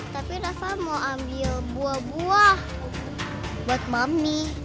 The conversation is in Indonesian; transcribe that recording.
tapi nasa mau ambil buah buah buat mami